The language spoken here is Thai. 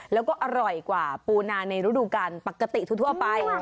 แล้วก็อร่อยกว่าปูนาในฤดูการปกติทั่วไป